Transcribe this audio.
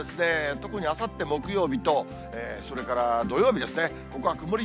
特にあさって木曜日と、それから土曜日ですね、ここは曇り